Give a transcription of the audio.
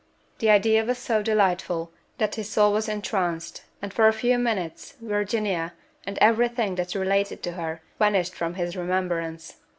The idea was so delightful, that his soul was entranced, and for a few minutes Virginia, and every thing that related to her, vanished from his remembrance.